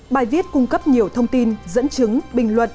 bài viết cung cấp nhiều thông tin dẫn chứng bình luận